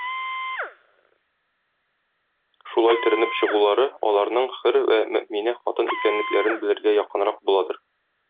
Шулай төренеп чыгулары аларның хөр вә мөэминә хатын икәнлекләрен белергә якынрак буладыр.